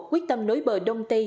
quyết tâm nối bờ đông tây